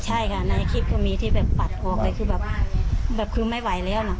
ใช่ค่ะในคลิปก็มีที่แบบปัดออกเลยคือแบบคือไม่ไหวแล้วนะ